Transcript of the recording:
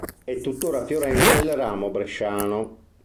È tuttora fiorente il ramo bresciano.